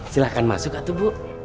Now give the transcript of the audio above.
silahkan masuk atubu